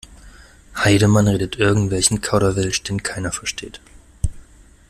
Heidemann redet irgendwelchen Kauderwelsch, den keiner versteht.